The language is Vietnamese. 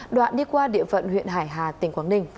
đoạn đi qua địa phận huyện hải hà tỉnh quảng ninh